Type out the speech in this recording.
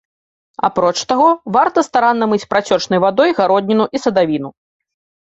Апроч таго, варта старанна мыць працёчнай вадой гародніну і садавіну.